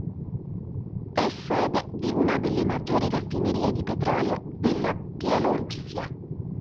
È sede di una delle maggiori raffinerie di petrolio della Bielorussia.